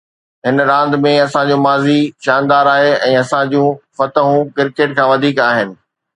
هن راند ۾ اسان جو ماضي شاندار آهي ۽ اسان جون فتحون ڪرڪيٽ کان وڌيڪ آهن.